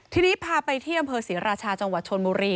ทีนี้พาไปที่อำเภอศรีราชาจังหวัดชนบุรี